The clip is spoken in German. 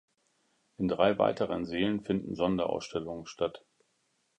In drei weiteren Sälen finden Sonderausstellungen statt.